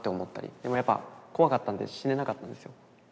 でもやっぱ怖かったんで死ねなかったんですよ。